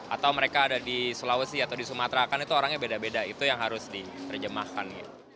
atau mereka ada di sulawesi atau di sumatera kan itu orangnya beda beda itu yang harus diterjemahkan